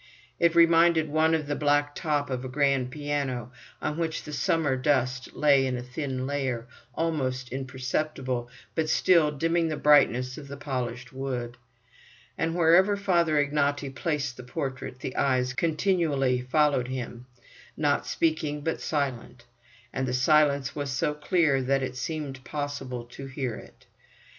It reminded one of the black top of a grand piano, on which the summer dust lay in a thin layer, almost imperceptible, but still dimming the brightness of the polished wood. And wherever Father Ignaty placed the portrait, the eyes continually followed him, not speaking, but silent; and the silence was so clear that it seemed possible to hear it.